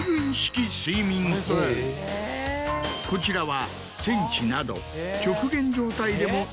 こちらは。